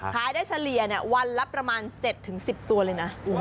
ขายได้เฉลี่ยวันละประมาณ๗๑๐ตัวเลยนะ